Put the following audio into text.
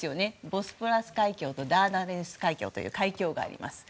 ボスポラス海峡とダーダネルス海峡という海峡があります。